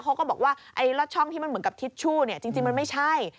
เขาก็บอกว่าลอดช่องที่เหมือนกับทิชชูจริงมันไม่ใช่